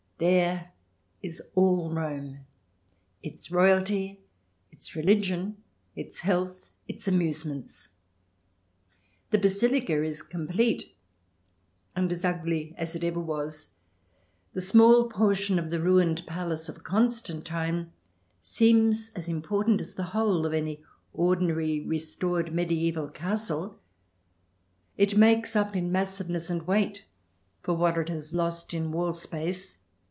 There is all Rome, its royalty, its religion, its health, its amusements. The Basilica is complete and as ugly as it ever was. The small portion of the ruined palace of Constantine seems as important as the whole of any ordinary restored medieval castle ; it makes up in massive ness and weight for what it has lost in wall space.